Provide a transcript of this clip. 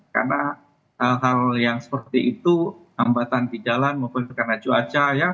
karena hal hal yang seperti itu hambatan di jalan maupun karena cuaca ya